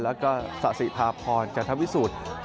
แล้วก็สะสิภาพรจันทวิสุทธิ์